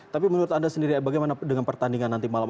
tapi menurut anda sendiri bagaimana dengan pertandingan nanti malam